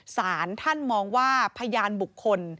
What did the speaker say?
สารท่านมองว่าพยานบุคคล